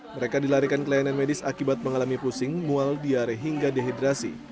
mereka dilarikan ke layanan medis akibat mengalami pusing mual diare hingga dehidrasi